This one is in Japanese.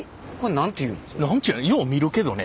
何ていうよう見るけどね